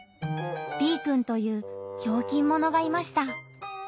Ｂくんというひょうきんものがいました。